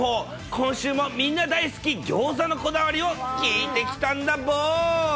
今週もみんな大好きギョーザのこだわりを聞いてきたんだボー。